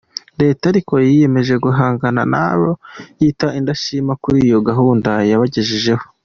Leta ariko yiyemeje guhangana n’abo yita indashima kuri iyo gahunda yabagejejeho.